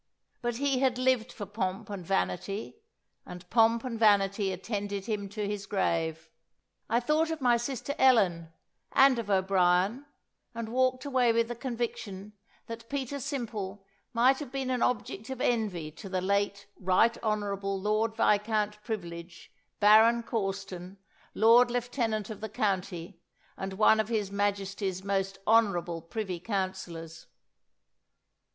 But he had lived for pomp and vanity; and pomp and vanity attended him to his grave. I thought of my sister Ellen, and of O'Brien, and walked away with the conviction that Peter Simple might have been an object of envy to the late Right Honourable Lord Viscount Privilege, Baron Corston, Lord Lieutenant of the county, and one of His Majesty's most Honourable Privy Councillors.